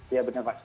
iya bener mas